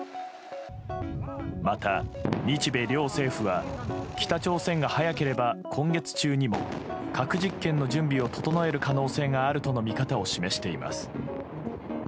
また、日米両政府は北朝鮮が早ければ今月中にも核実験の準備を整える可能性があるとの見方を示しています。